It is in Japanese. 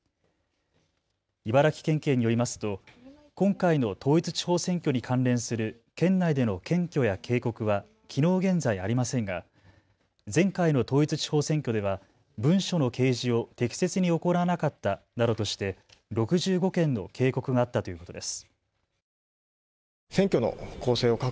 茨城県警によりますと今回の統一地方選挙に関連する県内での検挙や警告はきのう現在ありませんが前回の統一地方選挙では文書の掲示を適切に行わなかったなどとして６５件の警告があったということです。